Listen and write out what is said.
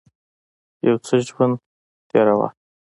یو څه ژرنده تېره وه.